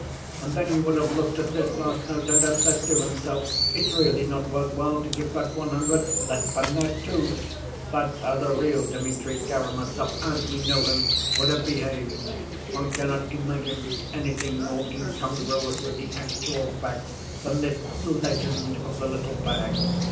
And then he would have looked at this last note, and have said to himself, 'It's really not worth while to give back one hundred; let's spend that, too!' That's how the real Dmitri Karamazov, as we know him, would have behaved. One cannot imagine anything more incongruous with the actual fact than this legend of the little bag.